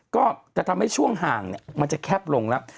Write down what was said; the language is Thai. ก็จะทำให้ช่วงห่างมันจะแคบลงแล้ว